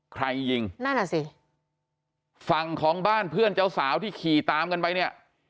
ใครยิงนั่นอ่ะสิฝั่งของบ้านเพื่อนเจ้าสาวที่ขี่ตามกันไปเนี่ย